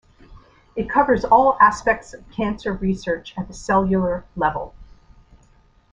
It covers all aspects of cancer research at the cellular-level.